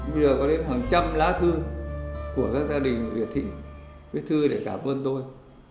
bây giờ có đến khoảng trăm lá thư của các gia đình việt thịnh viết thư để cảm ơn tôi